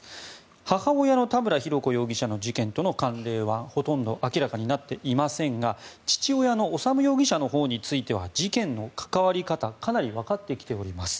母親の田村浩子容疑者の事件との関連はほとんど明らかになっていませんが父親の修容疑者のほうについては事件の関わり方かなりわかってきております。